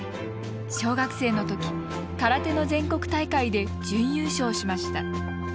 小学生のとき空手の全国大会で準優勝しました。